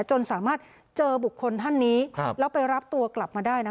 จนสามารถเจอบุคคลท่านนี้แล้วไปรับตัวกลับมาได้นะคะ